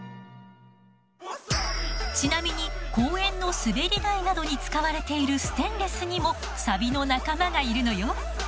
ちなみに公園の滑り台などに使われているステンレスにもサビの仲間がいるのよ。